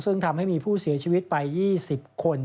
ซึ่งทำให้มีผู้เสียชีวิตไป๒๐คน